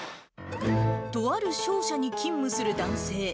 とある商社に勤務する男性。